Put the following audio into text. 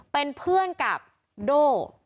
เป็นเพื่อนกับโด่